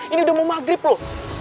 ini udah mau maghrib loh